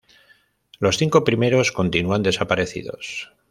Los cinco primeros continúan desaparecidos.